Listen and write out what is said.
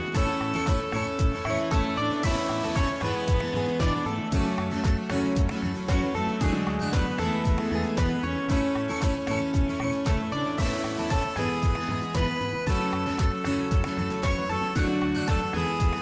สวัสดีครับ